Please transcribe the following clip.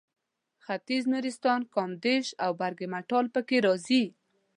ختیځ نورستان کامدېش او برګمټال پکې راځي.